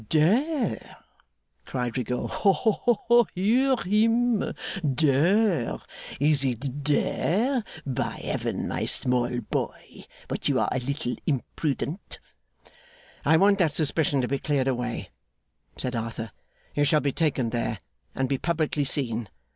'Dare!' cried Rigaud. 'Ho, ho! Hear him! Dare? Is it dare? By Heaven, my small boy, but you are a little imprudent!' 'I want that suspicion to be cleared away,' said Arthur. 'You shall be taken there, and be publicly seen.